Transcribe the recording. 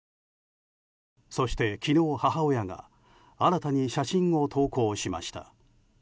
そして昨日、母親が新たに写真を投稿しました。